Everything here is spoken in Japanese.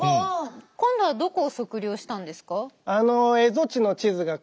今度はどこを測量したんですか？